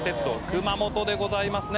熊本でございますね」